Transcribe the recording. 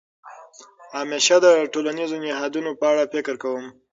همېشه د ټولنیزو نهادونو په اړه فکر کوم.